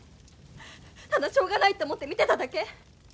ただしょうがないって思って見てただけ？